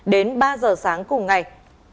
đến ba giờ sáng cùng ngày